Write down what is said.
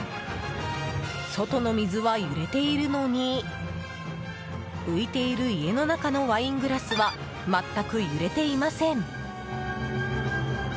外の水は揺れているのに浮いている家の中のワイングラスは全く揺れていません。